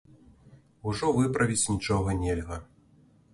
Ужо выправіць нічога нельга.